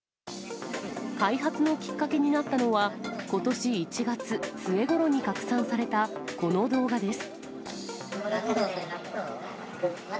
開発のきっかけになったのは、ことし１月末ごろに拡散された、この動画です。